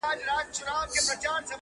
له خپله سیوري خلک ویریږي٫